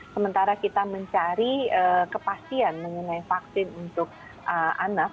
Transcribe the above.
sementara kita mencari kepastian mengenai vaksin untuk anak